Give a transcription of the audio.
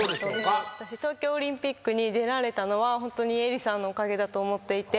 私東京オリンピックに出られたのはホントに絵莉さんのおかげだと思っていて。